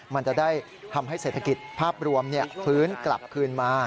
มันจะได้ทำให้เศรษฐกิจภาพรวมฟื้นกลับคืนมา